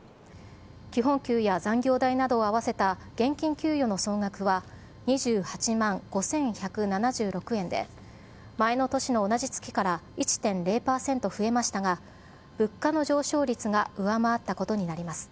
基本給や残業代などを合わせた現金給与の総額は２８万５１７６円で、前の年の同じ月から１．０％増えましたが、物価の上昇率が上回ったことになります。